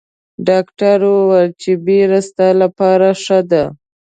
ډاکټر ویل چې بیر ستا لپاره ښه دي.